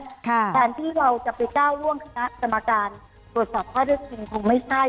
การที่เราจะไปก้าวร่วมคณะกรรมการตรวจสอบข้อได้จริงคงไม่ใช่